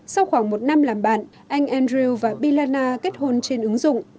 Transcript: sau khoảng một năm làm bạn anh andrew và bilana kết hôn trên ứng dụng